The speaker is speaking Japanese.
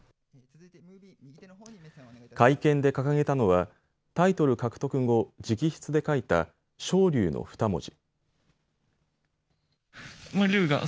会見で掲げたのはタイトル獲得後、直筆で書いた昇龍の二文字。